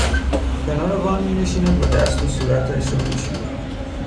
کنار وان مینشیند و دست و صورتش را میشوید